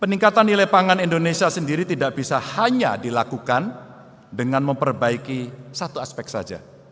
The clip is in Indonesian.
peningkatan nilai pangan indonesia sendiri tidak bisa hanya dilakukan dengan memperbaiki satu aspek saja